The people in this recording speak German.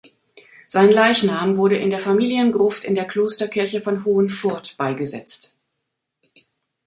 Sein Leichnam wurde in der Familiengruft in der Klosterkirche von Hohenfurth beigesetzt.